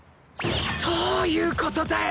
どういうことだよ！